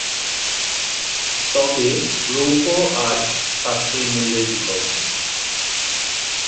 তবে, রৌপ্য আজ সাশ্রয়ী মূল্যের বিকল্প।